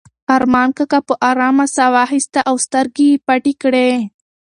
ارمان کاکا په ارامه ساه واخیسته او سترګې یې پټې کړې.